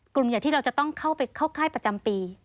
กลุ่มใหญ่ที่เราจะต้องเข้าไปเข้าค่ายประจำปี